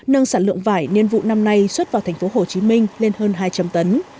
nâng sản lượng vải nhiên vụ năm nay xuất vào thành phố hồ chí minh lên hơn hai trăm linh tấn